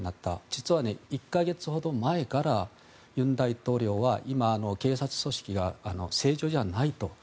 実は、１か月ほど前から尹大統領は今、警察組織が正常じゃないと。